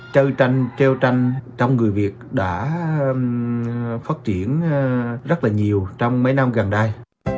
chơi tranh treo tranh trong người việt đã phát triển rất nhiều trong mấy năm gần đây